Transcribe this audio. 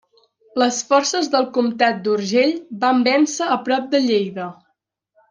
Les forces del comtat d'Urgell van vèncer a prop de Lleida.